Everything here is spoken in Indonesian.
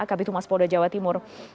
kabit humas polda jawa timur